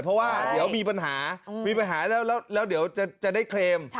เพราะว่าเดี๋ยวมีปัญหามีปัญหาแล้วเดี๋ยวจะได้เคลม